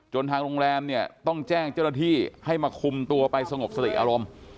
ทางโรงแรมเนี่ยต้องแจ้งเจ้าหน้าที่ให้มาคุมตัวไปสงบสติอารมณ์